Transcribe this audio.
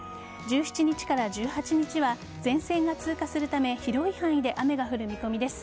１７日から１８日は前線が通過するため広い範囲で雨が降る見込みです。